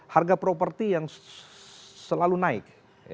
harga properti yang selalu naik